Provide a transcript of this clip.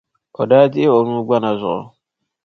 O daa dihi o nuu gbana zuɣu.